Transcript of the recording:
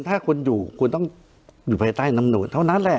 ถ้าคุณอยู่คุณต้องอยู่ภายใต้น้ำโหดเท่านั้นแหละ